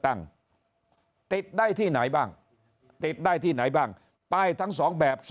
ติดได้ที่ไหนบ้างติดได้ที่ไหนบ้างป้ายทั้ง๒แบบ๒